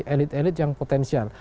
elit elit yang potensial